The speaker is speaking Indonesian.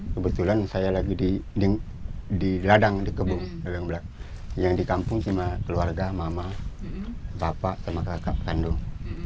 kebetulan saya lagi di ladang di kebun ladang belakang yang di kampung cuma keluarga mama bapak sama kakak kandung